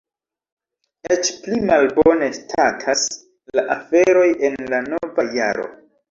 Eĉ pli malbone statas la aferoj en la nova jaro.